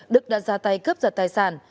đức đã ra tay cướp giật tài sản